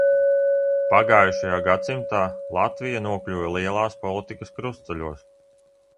Pagājušajā gadsimtā Latvija nokļuva lielās politikas krustceļos.